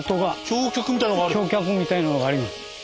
橋脚みたいなのがある。